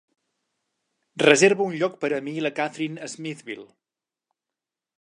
Reserva un lloc per a mi i la Kathrine a Smithville